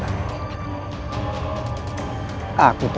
aku teringat pada anak itu